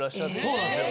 そうなんですよ。